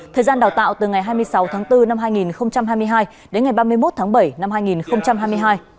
thời gian đào tạo từ ngày hai mươi sáu tháng bốn năm hai nghìn hai mươi hai đến ngày ba mươi một tháng bảy năm hai nghìn hai mươi hai